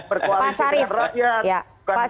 berkoalisi dengan rakyat